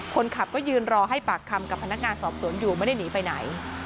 คนขับก็ยืนรอให้ปากคำกับพนักงานสอบสวนอยู่ไม่ได้หนีไปไหน